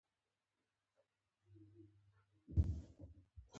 دې کار دینګ د سیاسي مبارزې ګټونکي کړل.